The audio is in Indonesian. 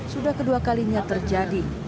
sudah kedua kalinya terjadi